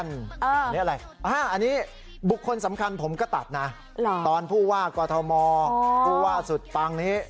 อันนี้อะไรอันนี้บุคคลสำคัญผมก็ตัดนะตอนผู้ว่ากอทมผู้ว่าสุดปังนี้